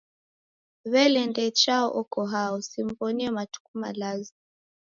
Wele Ndee Chao oko hao? Simw'onie matuku malazi.